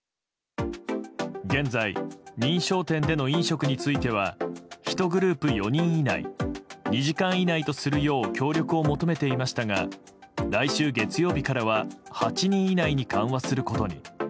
現在、認証店での飲食については１グループ４人以内２時間以内とするよう協力を求めていましたが来週月曜日からは８人以内に緩和することに。